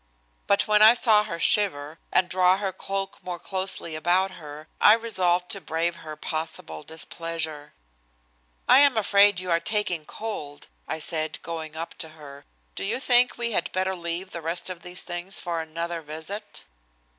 But when I saw her shiver and draw her cloak more closely about her, I resolved to brave her possible displeasure. "I am afraid you are taking cold," I said, going up to her. "Do you think we had better leave the rest of these things for another visit?"